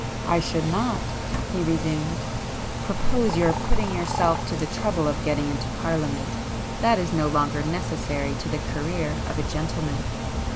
"I should not," he resumed—"propose your putting yourself to the trouble of getting into Parliament. That is no longer necessary to the career of a gentleman.